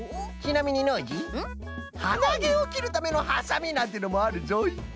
ちなみにノージーはなげをきるためのハサミなんてのもあるぞい！